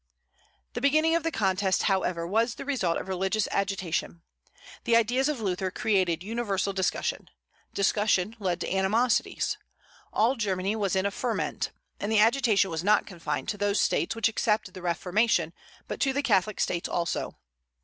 The beginning of the contest, however, was the result of religious agitation. The ideas of Luther created universal discussion. Discussion led to animosities. All Germany was in a ferment; and the agitation was not confined to those States which accepted the Reformation, but to Catholic States also.